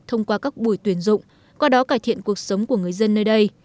thông qua các buổi tuyển dụng qua đó cải thiện cuộc sống của người dân nơi đây